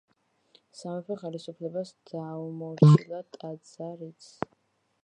სამეფო ხელისუფლებას დაუმორჩილა ტაძარიც.